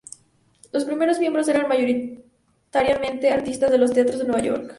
Los primeros miembros eran mayoritariamente artistas de los teatros de Nueva York.